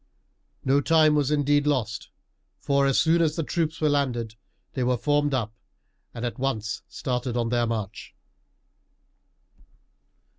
No time was indeed lost, for as soon as the troops were landed they were formed up and at once started on their march.